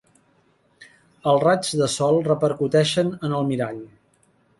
Els raigs de sol repercuteixen en el mirall.